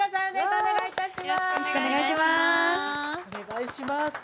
お願いいたします。